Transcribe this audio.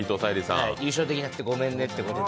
優勝できなくてごめんねということで。